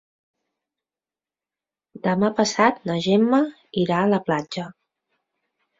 Demà passat na Gemma irà a la platja.